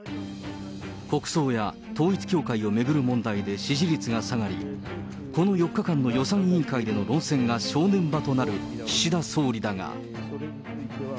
国葬や統一教会を巡る問題で支持率が下がり、この４日間の予算委員会での論戦が正念場となる岸田総理だが。